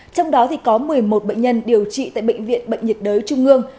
trong đó có một mươi một bệnh nhân điều trị tại bệnh viện bệnh nhiệt đới trung ương